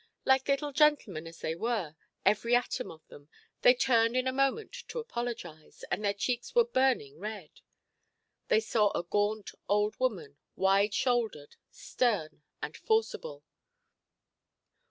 Like little gentlemen, as they were, every atom of them, they turned in a moment to apologise, and their cheeks were burning red. They saw a gaunt old woman, wide–shouldered, stern, and forcible.